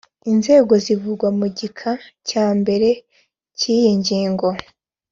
inzego zivugwa mu gika cya mbere cy iyi ngingo